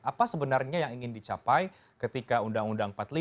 apa sebenarnya yang ingin dicapai ketika undang undang empat puluh lima